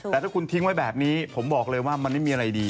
แต่ถ้าคุณทิ้งไว้แบบนี้ผมบอกเลยว่ามันไม่มีอะไรดี